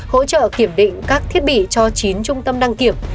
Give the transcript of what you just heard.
hỗ trợ kiểm định các thiết bị cho chín trung tâm đăng kiểm